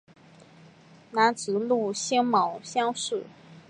南直隶辛卯乡试。